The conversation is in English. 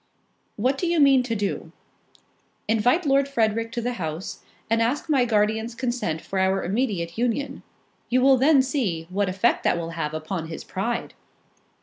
"What do you mean to do?" "Invite Lord Frederick to the house, and ask my guardian's consent for our immediate union; you will then see, what effect that will have upon his pride."